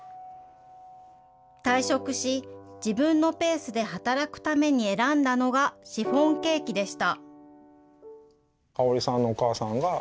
退職し、自分のペースで働くために選んだのが、シフォンケーキでした。